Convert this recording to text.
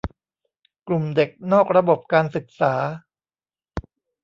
กลุ่มเด็กนอกระบบการศึกษา